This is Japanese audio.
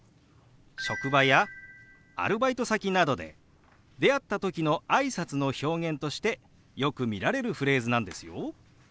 職場やアルバイト先などで出会った時のあいさつの表現としてよく見られるフレーズなんですよ。